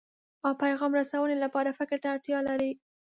او پیغام رسونې لپاره فکر ته اړتیا لري.